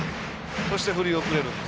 そして、振り遅れるんです。